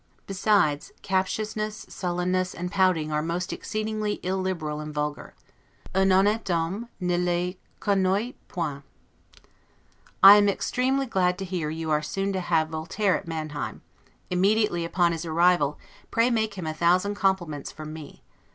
Besides, captiousness, sullenness, and pouting are most exceedingly illiberal and vulgar. 'Un honnete homme ne les connoit point'. I am extremely glad to hear that you are soon to have Voltaire at Manheim: immediately upon his arrival, pray make him a thousand compliments from me.